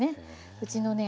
うちのね